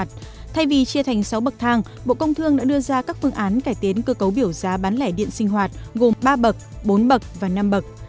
thay vì chia thành sáu bậc thang bộ công thương đã đưa ra các phương án cải tiến cơ cấu biểu giá bán lẻ điện sinh hoạt gồm ba bậc bốn bậc và năm bậc